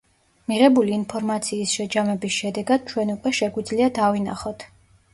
მიღებული ინფორმაციის შეჯამების შედეგად, ჩვენ უკვე შეგვიძლია დავინახოთ.